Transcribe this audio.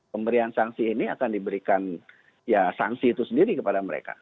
pemberian sanksi ini akan diberikan ya sanksi itu sendiri kepada mereka